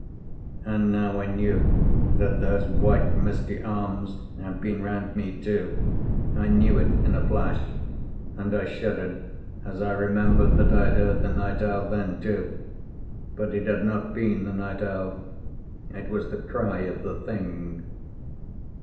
And now I knew that those white, misty arms had been round me too; I knew it in a flash, and I shuddered as I remembered that I had heard the night owl then too. But it had not been the night owl. It was the cry of the Thing.